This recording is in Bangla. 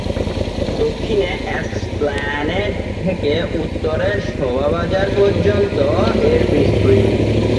দক্ষিণে এসপ্ল্যানেড থেকে উত্তরে শোভাবাজার পর্যন্ত এর বিস্তৃতি।